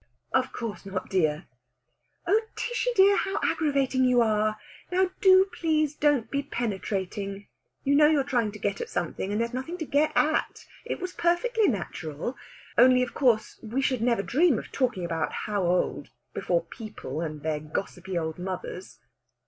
"Of course not, dear!" "Oh, Tishy dear, how aggravating you are! Now do please don't be penetrating. You know you're trying to get at something; and there's nothing to get at. It was perfectly natural. Only, of course, we should never dream of talking about how old before people and their gossipy old mothers."